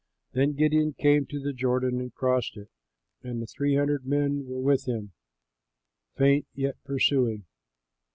Then Gideon came to the Jordan and crossed it, and the three hundred men were with him, faint yet pursuing.